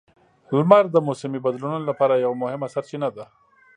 لمر د موسمي بدلونونو لپاره یوه مهمه سرچینه ده.